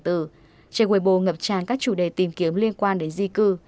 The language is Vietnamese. trên weibo ngập tràn các chủ đề tìm kiếm liên quan đến di cư